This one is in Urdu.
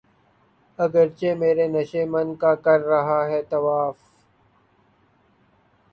اگرچہ میرے نشیمن کا کر رہا ہے طواف